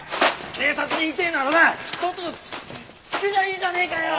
警察に言いてえならなとっととチクりゃいいじゃねえかよ！